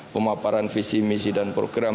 pemaparan visi misi dan program